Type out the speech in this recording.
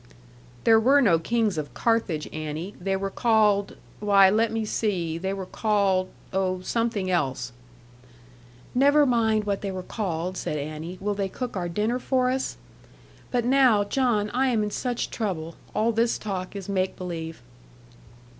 'There were no kings of Carthage, Annie. They were called, why let me see they were called oh, something else.' 'Never mind what they were called,' said Annie; 'will they cook our dinner for us? But now, John, I am in such trouble. All this talk is make believe.'